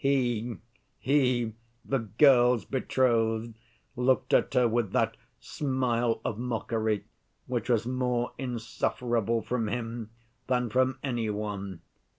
He, he, the girl's betrothed, looked at her with that smile of mockery, which was more insufferable from him than from any one.